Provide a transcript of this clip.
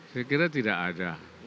saya kira tidak ada